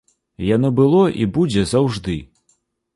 Яно было і будзе заўжды.